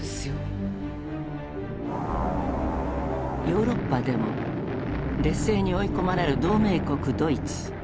ヨーロッパでも劣勢に追い込まれる同盟国ドイツ。